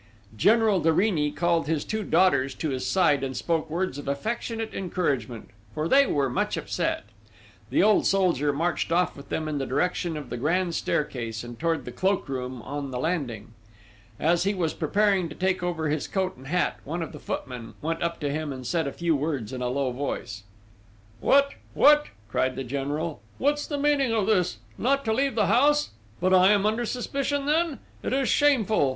General de Rini called his two daughters to his side and spoke words of affectionate encouragement, for they were much upset. The old soldier marched off with them in the direction of the grand staircase and towards the cloak room on the landing. As he was preparing to take over his coat and hat, one of the footmen went up to him and said a few words in a low voice: "What!... What!" cried the General. "What's the meaning of this?... Not to leave the house!... But, am I under suspicion then?... It is shameful!...